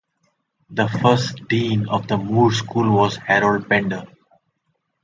The first dean of the Moore School was Harold Pender.